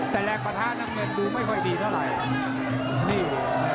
แต่แรงปะทะน้ำเงินดูไม่ค่อยดีเท่าไหร่